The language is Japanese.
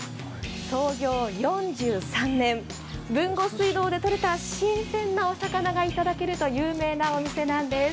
創業４３年、豊後水道でとれた新鮮なお魚がいただけると有名なお店なんです。